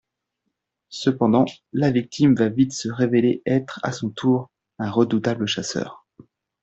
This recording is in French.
Cependant la victime va vite se révéler être à son tour un redoutable chasseur.